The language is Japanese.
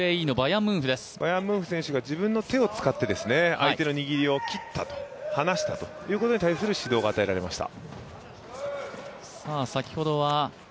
バヤンムンフ選手が自分の手を使って、相手を切った離したということに対する指導が与えられました。